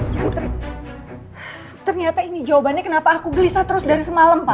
jadi ternyata ini jawabannya kenapa aku gelisah terus dari semalam pak